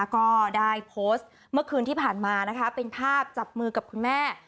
ก็ได้โพสต์เมื่อคืนที่ผ่านมานะคะเป็นภาพจับมือกับคุณแม่